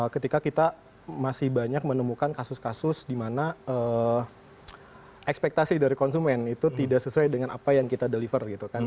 ketika kita masih banyak menemukan kasus kasus di mana ekspektasi dari konsumen itu tidak sesuai dengan apa yang kita deliver gitu kan